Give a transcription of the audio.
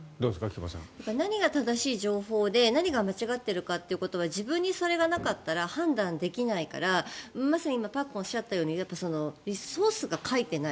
何が正しい情報で何が間違っているかということは自分にそれがなかったら判断できないからまさに今パックンがおっしゃったようにソースが書いていない。